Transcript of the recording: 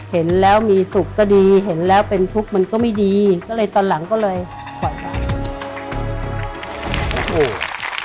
เห็นแล้วมีสุขก็ดีเห็นแล้วเป็นทุกข์มันก็ไม่ดีก็เลยตอนหลังก็เลยปล่อยไปโอ้โห